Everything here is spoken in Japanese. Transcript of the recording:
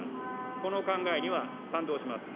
この考えには賛同します。